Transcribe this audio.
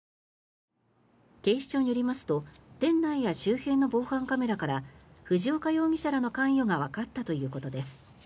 警視庁によりますと店内や周辺の防犯カメラから藤岡容疑者らの関与がわかったということです。